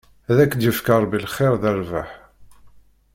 Ad ak-d-yefk Rebbi lxir d rrbeḥ.